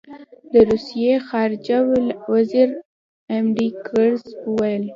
د روسیې خارجه وزیر ایم ډي ګیرس وویل.